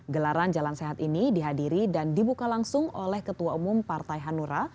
gelaran jalan sehat ini dihadiri dan dibuka langsung oleh ketua umum partai hanura